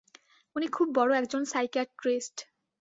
উনি খুব বড় একজন সাইকিয়াট্রিস্ট।